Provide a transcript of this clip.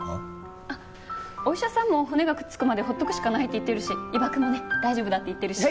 お医者さんも骨がくっつくまで放っておくしかないって言ってるし伊庭くんもね大丈夫だって言ってるし。